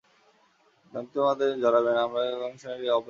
কিন্তু তুমি আমাদের জড়াবে না, আমরা অহিংসার নীতিটাকেই অব্যাহত রাখতে চাই।